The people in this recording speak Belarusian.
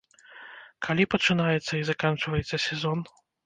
Калі пачынаецца і заканчваецца сезон?